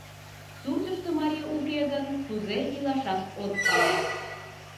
Суртышто марий уке гын, кузе илашат от пале.